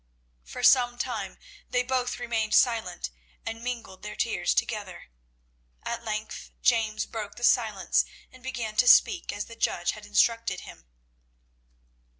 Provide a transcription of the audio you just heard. For some time they both remained silent and mingled their tears together. At length James broke the silence and began to speak as the judge had instructed him.